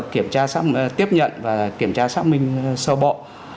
kiểm tra tiếp nhận và kiểm tra xác minh sơ bộ